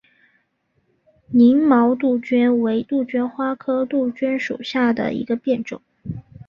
凝毛杜鹃为杜鹃花科杜鹃属下的一个变种。